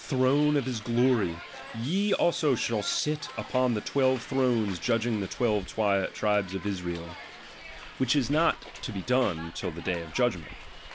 throne of his glory, ye also shall sit upon twelve ' thrones judging the twelve tribes of Israel : which >J is not to be done till the day of judgment.